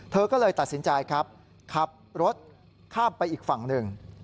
เธอก็เลยตัดสินใจครับขับรถข้ามไปอีกฝั่งหนึ่ง